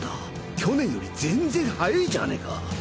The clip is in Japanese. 去年より全然速ぇじゃねえか！